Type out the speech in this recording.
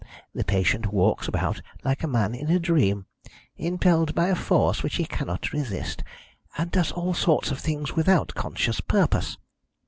The patient walks about like a man in a dream, impelled by a force which he cannot resist, and does all sorts of things without conscious purpose.